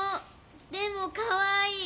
でもかわいい！